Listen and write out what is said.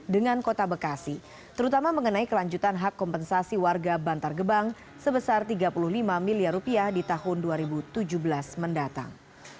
dengan kota bekasi terutama mengenai kelanjutan hak kompensasi warga bantar gebang sebesar rp tiga puluh lima miliar rupiah di tahun dua ribu tujuh belas mendatang